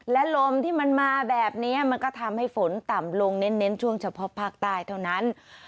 และลมที่มันมาแบบนี้มันก็ทำให้ฝนต่ำลงเน้นช่วงเฉพาะภาคใต้เท่านั้น